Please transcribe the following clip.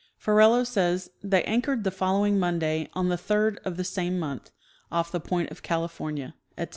Ferrelo says :" They anchored the following Monday, on the third of tiie same month, off the point of California," etc.